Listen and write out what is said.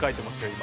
今。